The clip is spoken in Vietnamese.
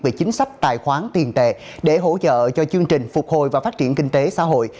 về chính sách tài khoán tiền tệ để hỗ trợ cho chương trình phục hồi và phát triển kinh tế xã hội